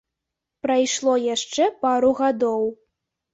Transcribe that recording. Прайшло яшчэ пару гадоў.